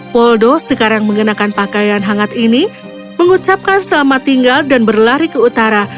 poldo sekarang mengenakan pakaian hangat ini mengucapkan selamat tinggal dan berlari ke utara